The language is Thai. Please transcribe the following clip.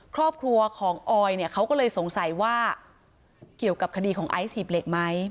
ครอบครัวของออยเนี่ยเขาก็เลยสงสัยว่าเกี่ยวกับคดีของไอซ์หีบเหล็กไหม